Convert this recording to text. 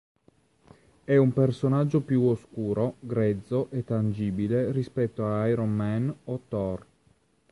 È un personaggio più oscuro, grezzo e tangibile rispetto a Iron Man o Thor.